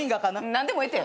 何でもええって。